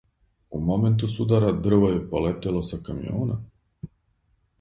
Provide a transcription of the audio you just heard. У моменту судара, дрво је полетело са камиона.